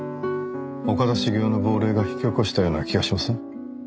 岡田茂雄の亡霊が引き起こしたような気がしません？